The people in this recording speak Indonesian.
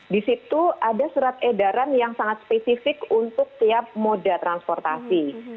di situ ada surat edaran yang sangat spesifik untuk tiap moda transportasi